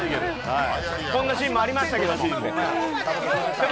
こんなシーンもありましたけども。